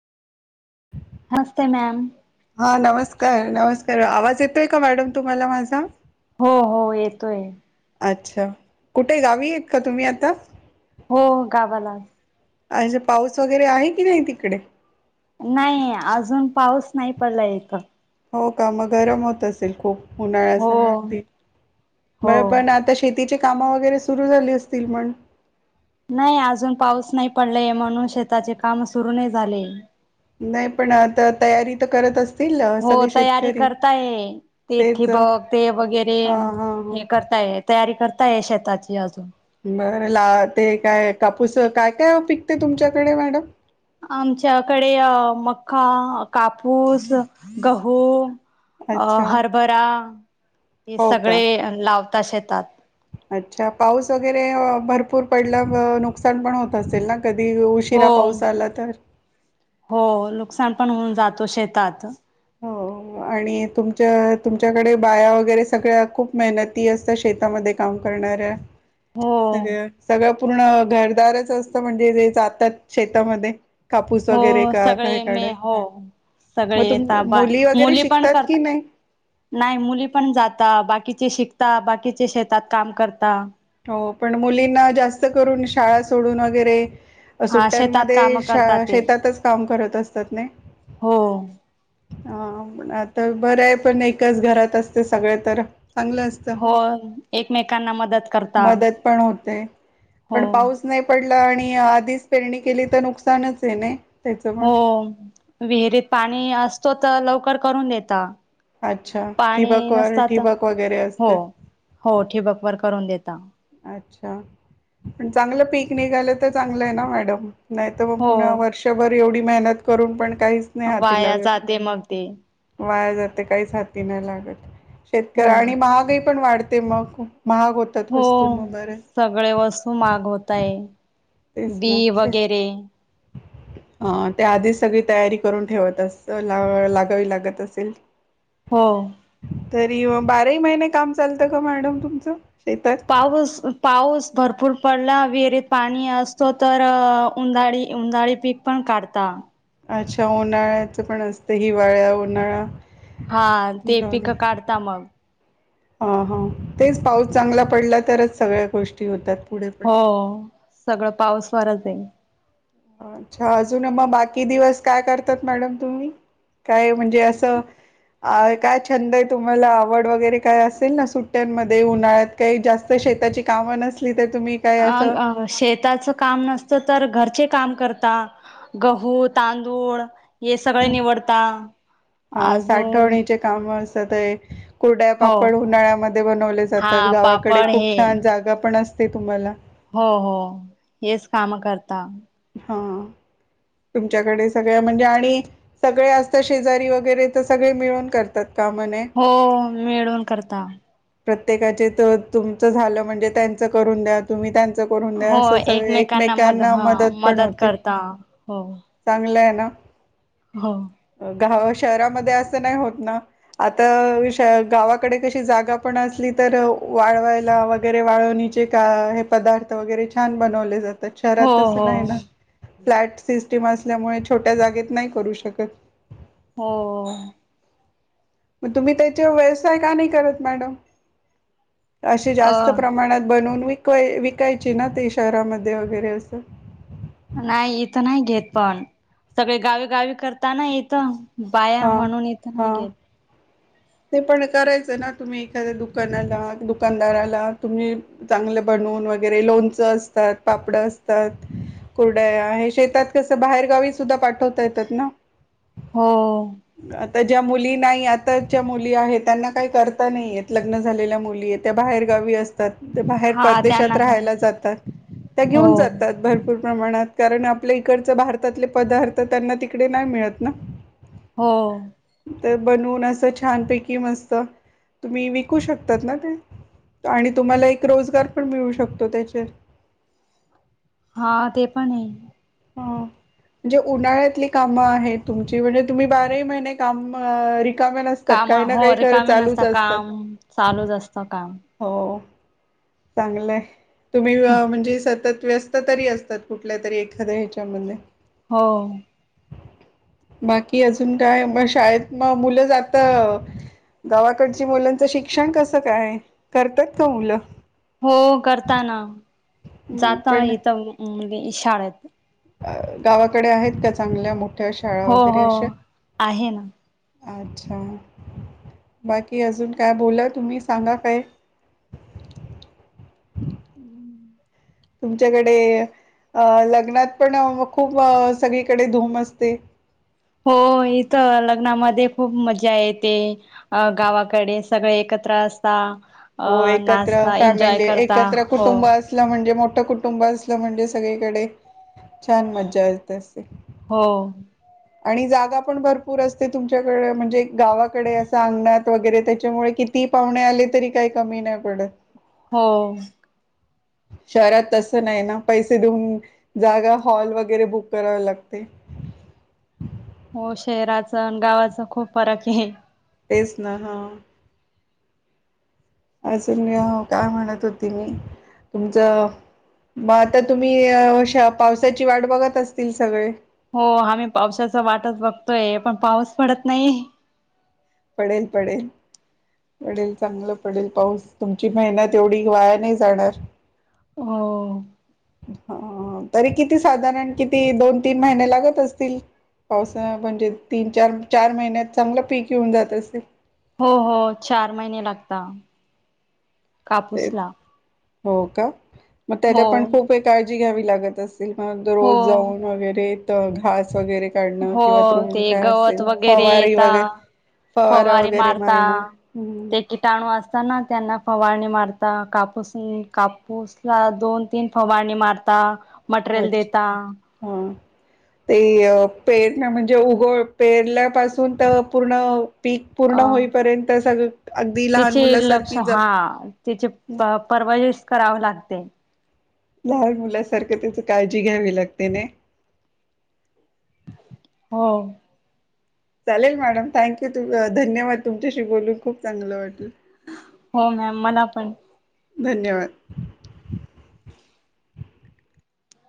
नमस्ते ma'am हां नमस्कार नमस्कार आवाज येतोय का मॅडम तुम्हाला माझा? हो हो येतोय. अच्छा कुठे गावी आहेत का तुम्ही आता? हो गावाला आज पाऊस वगैरे आहे की नाही तिकडे? नाही, अजून पाऊस नाही पडला येत- हो का मग गरम होत असेल खूप- हो उन्हाळ्यात अस पीक हो बरं पण आता शेती तिची कामं वगैरे सुरू झाली असतील मण नाही अजून पाऊस नाही पडलाये म्हणून शेताचे काम सुरू नाही झाले. नाही पण आता तयारी तर करत असते. हो तयारी करताय ते तेच अ, ठिबक ते वगैरे हा हा हा हे करताय तयारी कर [unintelligible] शेताची अजून बरं ला ते काय कापूस काय काय पिकते तुमच्याकडे मॅडम आमच्याकडे अ मक्का, कापूस, गहू अ अच्छा हरभरा हे हो का सगळे लाव त शेतात अच्छा, पाऊस वगैरे भरपूर पडला नुकसान पण होत असेल ना? कधी उशिरा हो पाऊस आला तर? हो नुकसान पण होऊन जातो शेतात हो आणि तुमच्या तुमच्याकडे बाया वगैरे सगळ्या खूप मेहनती असतात शेतामध्ये काम करणाऱ्या हो सगळं सगळं पूर्ण घर [unintelligible] असतं म्हणजे जे जातात शेतामध्ये कापूस हो वगैरे का काय सगळे मी काढाय? हो मग सगळे तुम य वगैरे मुली पण शिकतात कर की नाही? नाही मुली पण जाता बाकीचे शिकता बाकीचे शेतात काम करता हो पण मुलींना जास्त करून शाळा सोडून वगैरे हा शेतात काम सुट्ट्यांमध्ये श करतात ते शेतातच काम करत असतात ना? हो हा आता बरं आहे पण एकच घरात असते. सगळे तर चांगलं असतं हो एकमेकांना मदत कर मदत पण होते. पण पाऊस नाही प आणि आधीच पेरणी केली तर नुकसानच नही. हो विहिरीत पाणी असतो तर लव कर करून देता अच्छा पाणी ठिबक व नसतात ठिबक वगैरे हो असते हो ठिबकवर करून देता अच्छा प चांगलं पीक निघालं तर चांगलं ये ना मॅडम नाहीत मग हो पुन्हा वर्षभर एवढी मेहनत करून पण काहीच नाही हाती वाया लागत जाते मग ते वाया जाते. काहीच हाती नाही लागत. हो शेतकऱ आणि महागई - पण वाढते मग महाग होतात हो वस्तू मग बऱ्याच सगळे वस्तू मागवतय तेच बी ना शे वगैरे अ त्या आधीच सगळी तयारी करून ठेवत अस लागावी लागत असेल हो तरी बाराही महिने काम चालतं का मॅडम तुमचं शेतात पाऊस पाऊस भरपूर पडला विहिरीत पाणी असतो तर उन्हााळी उनध्हाळी पीक पण काढता अच्छा उन्हाळ्याचं पण असतं हिवाळ्या उन्हाळा हा ते दोन्ही पिकं काढता मग हा हा तेच पाऊस चांगला पडला तरच सगळ्या गोष्टी होतात पुढे पण हो सगळं पाऊस [unintelligible] अच्छा अजून मग बाकी दिवस काय करतात मॅडम तुम्ही काय म्हणजे असं काय छंद आहे तुम्हाला आवड वगैरे काय असेल ना सुट्ट्यांमध्ये उन्हाळ्यात काही जास्त शेताची कामं नसली तर तुम्ही काय अ असं शेताच काम नसतं तर घरचे काम करता गहू तांदूळ हे सगळे निवडता हा अजून साठवणीचे काम स ते कुर्ड्या हो पापड उन्हाळ्यामध्ये बनवले जातात हा गावाकडे पापड खूप हे छान जागा पण अस अस तुम्हाला हो हो हेच काम करता हां तुमच्याकडे सगळ्या म्हणजे आणि सगळे असतं शेजारी वगैरे तर सगळे मिळून करतात तमने हो मिळून करता. प्रत्येकाचे तर तुमचं झालं म्हणजे त्यांच करून द्या तुम्ही त्यां. हो द मद एकमेकांना हा मदत पण होते करता हो चगल्या [unintelligible] हो. गा शहरामध्ये असं नाही होत ना आता गावाकडे कशी जागा पण असली तर वाळवायला वगैरे वाळवणीचे का हे पदार्थ वगैरे छान बनवले जातात. हो शहरात नाही हो ना फ्लॅट ल्यामुळे छोट्या जागेत नाही करू शकत. हो. मग तुम्ही त्याचे व्यवसाय का नाही करत मॅडम. असे अ जास्त प्रमाणात बनवून व विक विकायची ना ती शहरामध्ये वगैरे असं. नाही इथं नाही घेत पण सगळे गावी गावी करताना इथं. बाया हा म्हणून इथं नाही हा घेत. ते पण करायचं ना तुम्ही एखाद्या दुकानाला दुकानदाराला तुम्ही चांगले बनून वगैरे लोणचं असतात, पापड असतात, कुरडया हे शेतात कसं बाहेरगावी सुद्धा पाठवता येतात ना. हो. तर ज्या मुलींना आता च्या मुली आहेत त्यांना काही करता नाहीेत लग्न झालेल्या मुली आहेत त्या बाहेर गावी अस तात ते बाहेर हा परदेशात त्यांना का राहायला जातात, त्या हो घेऊन जातात भरपूर प्रमाणात. कारण आपल्या इकडचे भारतातले पदार्थ त्यांना तिकडे नाही मिळत ना. हो. तर बनून असं छानपैकी मस्त तुम्ही विकू शकतात ना ते आणि तुम्हाला एक रोजगार पण मिळू शकतो. त्याचे हा ते पण आहे. ह म्हणजे उन्हाळ्यातली कामं आहेत तुमची म्हणजे तुम्ही बाराही महिने काम रिकामे नसतात काम काही ना हो काही अरे कर कामी नसत चालूच असतात. काम चालूच असतं काम. हो. चांगलंय. तुम्ही म्हणजे सतत व्यस्त तरी असतात कुठल्या तरी एखाद्या ह्याच्यामध्ये. हो. बाकी अजून काय मग शाळेत मग मुलं जात गावाकडची मुलांचं शिक्षण कसं काय? करतात का मुलं. हो करताना हं, जात पण इथ इशाळेत. गावाकडे आहेत त्या चांगल्या मोठ्या शाळा हो वगैरे हो, अशा? आहे ना. अच्छा बाकी अजून काय बोला तुम्ही सांगा काय. हम्म. तुमच्याकडे अ लग्नात पण खूप सगळीकडे धूम असते. हो इथं लग्नामध्ये खूप मज्जा येते. अ गावाकडे सगळे एकत्र असता. अ हो एकत्र नाचता एन्जॉय फॅमिली करता एकत्र हो कुटुंब असलं म्हणजे मो ट कुटुंब असलं म्हणजे सगळीकडे छान मज्जा येत असेल. हो. आणि जागा पण भरपूर असते तुमच्याकडे म्हणजे गावाकडे असं अंगणात वगैरे त्याच्यामुळे, किती पाहुणे आले तरी काही कमी नाही पडत. हो. शहरात तस नाही ना पैसे देऊन जागा हॉल वगैरे बुक करावे लागते. हो शहराच गावाच खूप फरक हे. तेच ना हा. असजून मी काय म्हणत होती मी तुमचं म आता, तुम्ही अशा पावसाची वाट बघत असतील सगळे? हो आम्ही पावसाचा वाटच बघतोय पण पाऊस पडत नाही. पडेल, पडेल, पडेल चांगलं पडेल पाऊस तुमची मेहनत एवढी वाया नाही जाणार. हो. ह तरी किती साधारण किती दोन तीन महिने लागत असतील पावसा म्हणजे तीन चार चार महिन्यात चांगलं पीक येऊन जात असेल? हो हो चार महिने लागता. ते कापूसला हो का? मग त्याच्या हो पण खूप काळ जी घ्यावी लागत अस दुकानात रोज हो. जाऊन वगैरे त घास वगैरे काढणं हो किंवा ते तृण काय गवत असेल वगैरे फवारी येत वगैरे फवारा फवारी वगैरे मारता मारणं ते हम्म किटाणू असतना त्यांना फवारणी मारत ता कापूस, कापूस ला दोन तीन फवारणी मारता मटेरियल अच्छा देता! हा ते पेरन्या म्हणजे उघ पेरल्यापासून तर पूर्ण पीक पूर्ण होईपर्यंत सगळं अगदी लहान त्याचे लक्ष मुलासारखी हा जप त्याचे परवा करावं लागते. लहान मुलासारखं त्याची काळजी घ्यावी लागते नाय? हो! चालेल मॅडम थँक्यू धन्यवाद तुमच्याशी बोलून खूप चांगलं वाटेल. हो मॅम मला पण! धन्यवाद.